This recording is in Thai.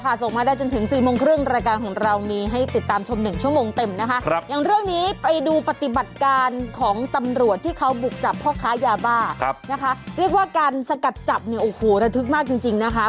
อย่างเรื่องนี้ไปดูปฏิบัติการของตำรวจที่เขาบุกจับพ่อค้ายาบ้านะคะเรียกว่าการสกัดจับเนี่ยโอ้โหระทึกมากจริงนะคะ